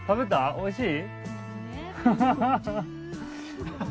おいしい？